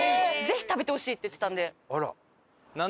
「ぜひ食べてほしい」って言ってたんで。